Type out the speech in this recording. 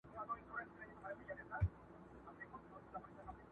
قاضي وکړه فيصله چي دى په دار سي؛